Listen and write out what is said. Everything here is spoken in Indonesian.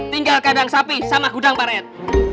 tinggal kadang sapi sama gudang pak red